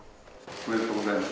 おめでとうございます。